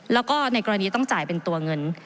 แล้วก็ในกรณีต้องจ่ายเป็นตัวเงิน